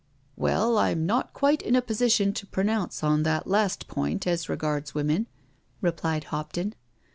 '* Well — I'm not quite in a position to pronounce on that last pointy as regards women/' replied Hopton.